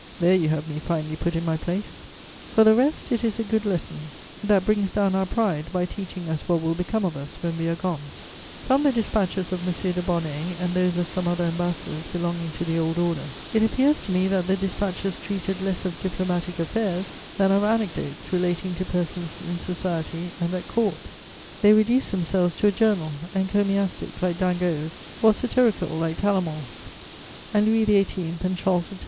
There you have me finely put in my place. For the rest, it is a good lesson; that brings down our pride, by teaching us what will become of us when we are gone. From the dispatches of M. de Bonnay and those of some other ambassadors belonging to the Old Order, it appears to me that the dispatches treated less of diplomatic affairs than of anecdotes relating to persons in society and at Court; they reduced themselves to a journal, encomiastic like Dangeau's, or satirical like Tallemant's. And Louis XVIII. and Charles X.